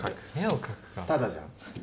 タダじゃん。